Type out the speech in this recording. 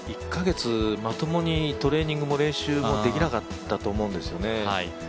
１カ月まともにトレーニングも練習もできなかったと思うんですね